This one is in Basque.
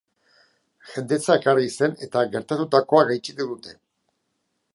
Jendetza elkarri zen eta gertatutakoa gaitzetsi dute.